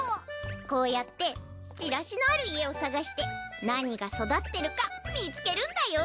こうやってチラシのある家を探して何が育ってるか見つけるんだよ。